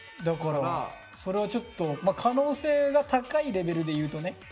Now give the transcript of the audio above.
だからそれはちょっと可能性が高いレベルで言うとね。